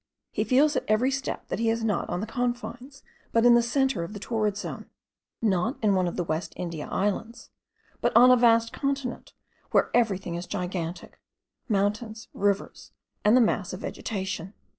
He feels at every step, that he is not on the confines but in the centre of the torrid zone; not in one of the West India Islands, but on a vast continent where everything is gigantic, mountains, rivers, and the mass of vegetation.